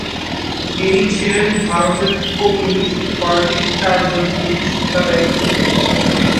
তিনি ছিলেন ভারতের কমিউনিস্ট পার্টির চারজন প্রতিষ্ঠাতার একজন।